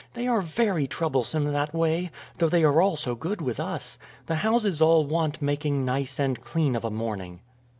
They are very troublesome that way, though they are all so good with us. The houses all want making nice and clean of a morning."